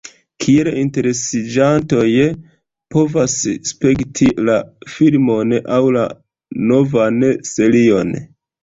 Kiel interesiĝantoj povas spekti la filmon aŭ la novan serion?